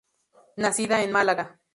Nacida en Málaga.